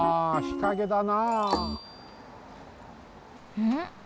日陰だなあ。